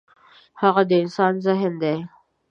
هغه د انسان ذهن دی.